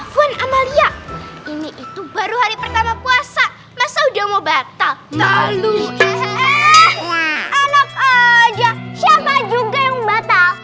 fuan amalia ini itu baru hari pertama puasa masa udah mau batal eh anak aja siapa juga yang batal